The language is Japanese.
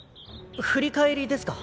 振り返りですか？